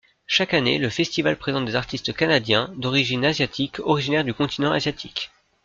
Chaque année, le festival présente des artistes canadiens d’origines asiatiques originaires du continent asiatique.